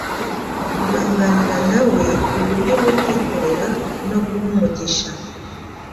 Kugambanira na we uburyo bwo kwikorera no guha umugisha